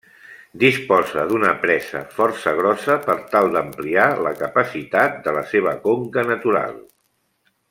Disposa d'una presa força grossa per tal d'ampliar la capacitat de la seva conca natural.